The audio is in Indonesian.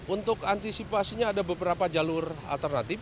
untuk antisipasinya ada beberapa jalur alternatif